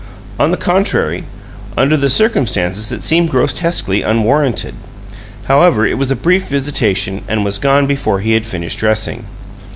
On the contrary, under the circumstances it seemed grotesquely unwarranted. However, it was a brief visitation and was gone before he had finished dressing.